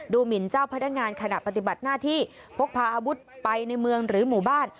หมินเจ้าพนักงานขณะปฏิบัติหน้าที่พกพาอาวุธไปในเมืองหรือหมู่บ้าน